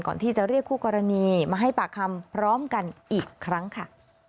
ก่อนที่จะเรียกคู่กรณีมาให้ปากคำพร้อมกันอีกครั้งค่ะ